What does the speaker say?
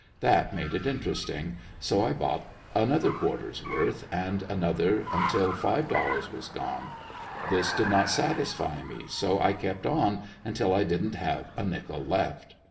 That made it interesting, so I bought another quarters worth, and another until five dollars was gone. This did not satisfy me, so I kept on until I didn't have a nickel left.